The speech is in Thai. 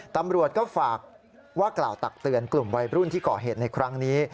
ตำรวจก็ฝากว่ากล่าวตักเตือนกลุ่มวัยรุ่นที่ก่อเหตุในครั้งนี้